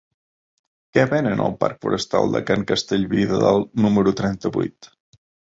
Què venen al parc Forestal de Can Castellví de Dalt número trenta-vuit?